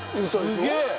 すげえ！